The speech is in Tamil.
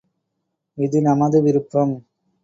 இது நமது விருப்பம்!